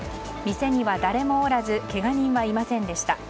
店には誰もおらずけが人はいませんでした。